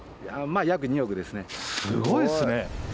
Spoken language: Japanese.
すごいですね！